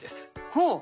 ほう。